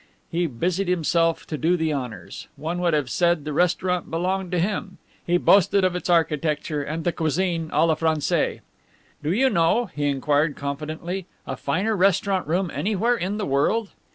He busied himself to do the honors. One would have said the restaurant belonged to him. He boasted of its architecture and the cuisine "a la Francaise." "Do you know," he inquired confidently, "a finer restaurant room anywhere in the world?"